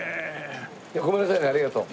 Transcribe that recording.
ごめんなさいねありがとう。